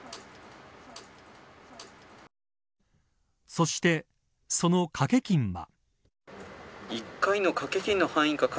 そして、その賭け金は。